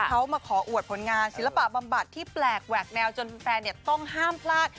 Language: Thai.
เขามาขออวดผลงานศิลปะบำบัดที่แปลกแหวกแนวจนแฟนต้องห้ามพลาด